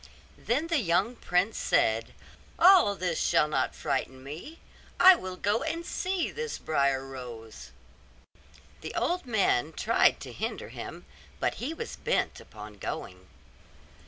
Then the young prince said, 'All this shall not frighten me; I will go and see this Briar Rose.' The old man tried to hinder him, but he was bent upon going.